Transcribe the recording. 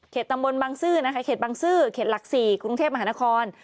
เขตตำบลบางซื่อเขตหลักศรีกรุงเทพมหานคร